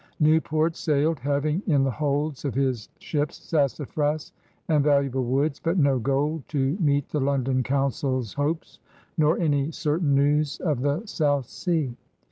Newport sailed, having in the holds of his ships sassafras and valuable woods but no gold to meet the London Council's hopes, nor any certain news of the South Sea.